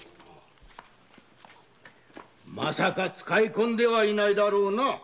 使い込んではいないだろうな？